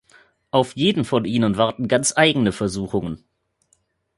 Auf jeden von ihnen warten ganz eigene Versuchungen.